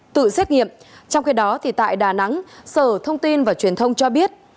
tự xét nghiệm trong khi đó tại đà nẵng sở thông tin và truyền thông cho biết